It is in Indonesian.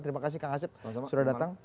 terima kasih kang asep sudah datang